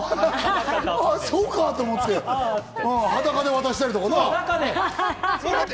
あぁそうかと思って、裸で渡したりとかして。